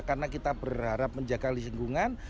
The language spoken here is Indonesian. karena kita berharap plastik itu akan berhasil